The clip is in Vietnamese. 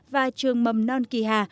và trường mầm non kỳ hà